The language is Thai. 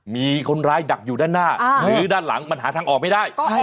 มีคนร้ายดักอยู่ด้านหน้าหรือด้านหลังมันหาทางออกไม่ได้